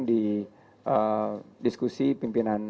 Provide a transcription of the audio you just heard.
di diskusi pimpinan